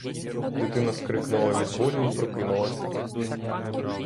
Дитина скрикнула від болю й прокинулася.